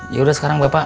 yaudah sekarang bapak